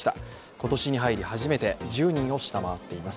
今年に入り初めて１０人を下回っています。